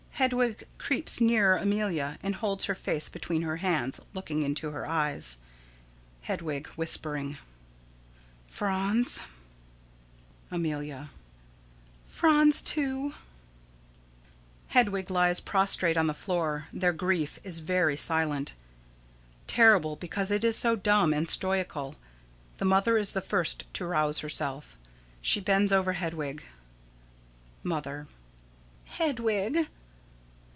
Hedwig creeps nearer Amelia and holds her face between her hands, looking into her eyes._] Hedwig: [Whispering.] Franz? Amelia: Franz, too. [Illustration: HEDWIG: Franz? AMELIA: Franz, too.] [_Hedwig lies prostrate on the floor. Their grief is very silent; terrible because it is so dumb and stoical. The Mother is the first to rouse herself. She bends over Hedwig._] Mother: Hedwig.